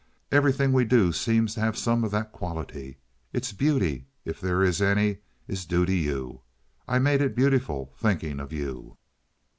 Everything we do seems to have something of that quality. Its beauty, if there is any, is due to you. I made it beautiful thinking of you."